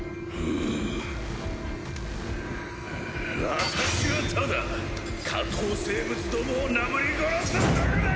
私はただ下等生物どもをなぶり殺すだけだ！